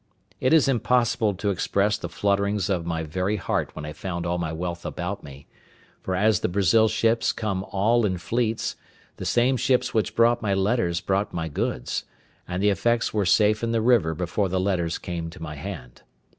It is impossible to express the flutterings of my very heart when I found all my wealth about me; for as the Brazil ships come all in fleets, the same ships which brought my letters brought my goods: and the effects were safe in the river before the letters came to my hand.